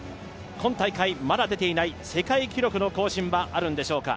今大会まだ出ていない世界記録の更新はあるんでしょうか。